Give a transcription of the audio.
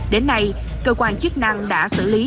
đến nay cơ quan chức năng đã xử lý